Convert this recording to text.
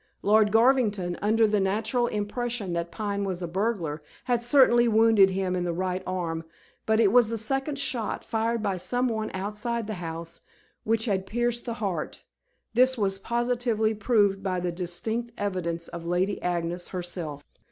Lord Garvington, under the natural impression that Pine was a burglar, had certainly wounded him in the right arm, but it was the second shot, fired by some one outside the house, which had pierced the heart. This was positively proved by the distinct evidence of Lady Agnes herself.